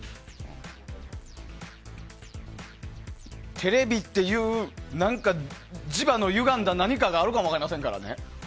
テレビっていう磁場のゆがんだ何かがあるかも分かりませんからね。